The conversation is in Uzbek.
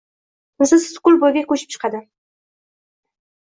kimsasiz koʼl boʼyiga koʼchib chiqadi.